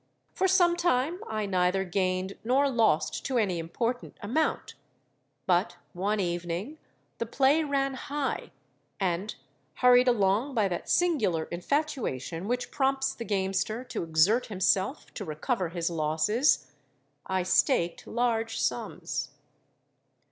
For some time I neither gained nor lost to any important amount; but one evening the play ran high, and—hurried along by that singular infatuation which prompts the gamester to exert himself to recover his losses—I staked large sums.